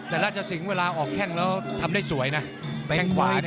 แต่ราชสิงเวลาออกแข้งแล้วทำได้สวยนะ